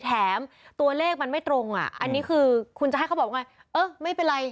แถมตัวเลขมันไม่ตรงอ่ะอันนี้คือคุณจะให้เขาบอกว่าไงเออไม่เป็นไร